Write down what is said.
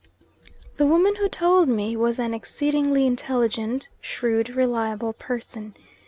The woman who told me was an exceedingly intelligent, shrewd, reliable person.